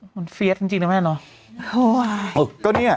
มันมินะแหงล่ะ